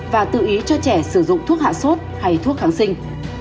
và tự ý cho trẻ sử dụng thuốc hạ sốt hay thuốc kháng sinh